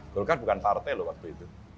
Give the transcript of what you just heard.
golkar bukan partai loh waktu itu